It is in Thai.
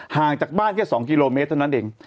ห่างจากบ้านแค่๒กิโลเมตรเท่านั้นเอง